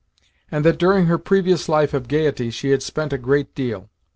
]and that during her previous life of gaiety she had spent a great deal.